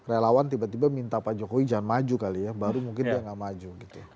relawan tiba tiba minta pak jokowi jangan maju kali ya baru mungkin dia gak maju gitu